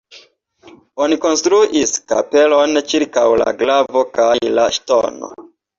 Oni konstruis kapelon ĉirkaŭ la glavo kaj la ŝtono.